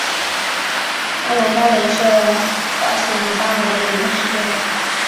阿兰巴雷是巴西南大河州的一个市镇。